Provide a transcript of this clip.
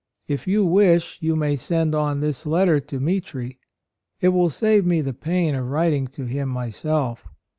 ... If you wish you may send on this letter to Mitri. It will save me the pain of writing to him myself.